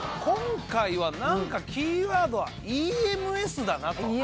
今回は何かキーワードはＥＭＳだなと。